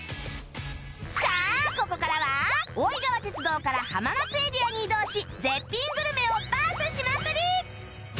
さあここからは大井川鐵道から浜松エリアに移動し絶品グルメをバースしまくり！